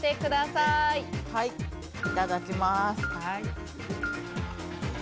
いただきます。